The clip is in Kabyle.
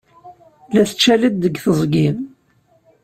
La tettcaliḍ deg teẓgi.